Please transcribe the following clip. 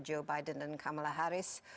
joe biden dan kamala harris